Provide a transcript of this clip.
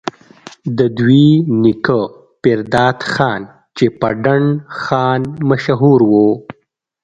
د دوي نيکه پيرداد خان چې پۀ ډنډ خان مشهور وو،